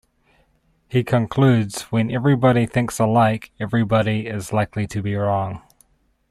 He concludes when everybody thinks alike, everybody is likely to be wrong.